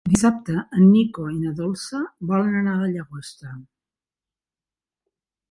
Dissabte en Nico i na Dolça volen anar a la Llagosta.